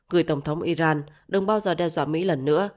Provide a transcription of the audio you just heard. gửi tổng thống iran đừng bao giờ đe dọa mỹ lần nữa